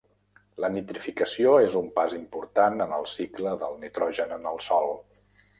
La nitrificació és un pas important en el cicle del nitrogen en el sòl.